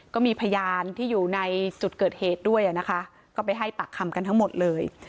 ก็มีพยานที่อยู่ในจุดเกิดเหตุด้วยนะคะก็ไปให้ปากคำกันทั้งหมดเลย